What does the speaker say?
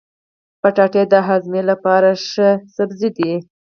کچالو د هاضمې لپاره ښه سبزی دی.